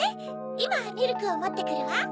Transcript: いまミルクをもってくるわ。